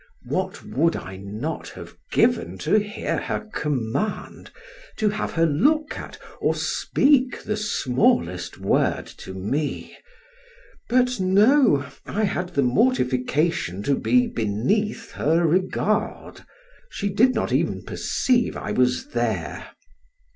What would I not have given to hear her command, to have her look at, or speak the smallest word to me! but no, I had the mortification to be beneath her regard; she did not even perceive I was there.